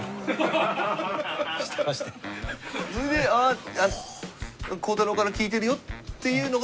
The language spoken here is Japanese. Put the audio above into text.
それで「あっ孝太郎から聞いてるよ」っていうのが。